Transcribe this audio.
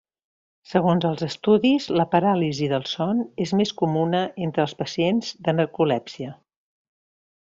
Segons els estudis, la paràlisi del son és més comuna entre els pacients de narcolèpsia.